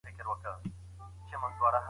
الله تعالی په ګډ ژوند کي کوم خير ايښی دی؟